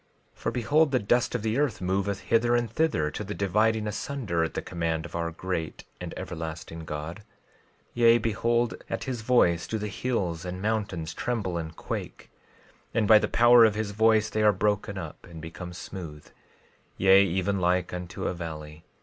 12:8 For behold, the dust of the earth moveth hither and thither, to the dividing asunder, at the command of our great and everlasting God. 12:9 Yea, behold at his voice do the hills and the mountains tremble and quake. 12:10 And by the power of his voice they are broken up, and become smooth, yea, even like unto a valley.